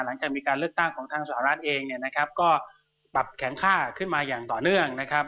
หลังจากมีการเลือกตั้งของทางสหรัฐเองเนี่ยนะครับก็ปรับแข็งค่าขึ้นมาอย่างต่อเนื่องนะครับ